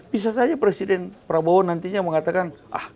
bisa saja presiden prabowo nantinya mengatakan